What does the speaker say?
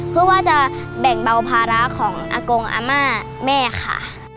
เพื่อว่าจะแบ่งเบาภาระของอากงอาม่าแม่ค่ะ